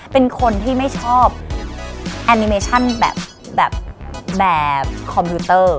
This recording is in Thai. เป็นคนที่ไม่ชอบแอนิเมชั่นแบบคอมพิวเตอร์